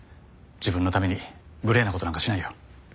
自分のためにグレーな事なんかしないよ。